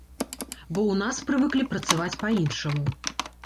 Бо ў нас прывыклі працаваць па-іншаму.